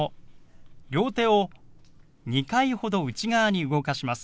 両手を２回ほど内側に動かします。